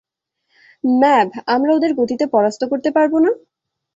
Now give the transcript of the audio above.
ম্যাভ, আমরা ওদের গতিতে পরাস্ত করতে পারবো না?